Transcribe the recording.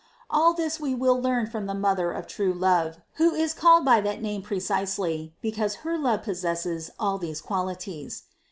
All this we will learn from the Mother of true love, who is called by that name precisely because her love possesses all these quali ties.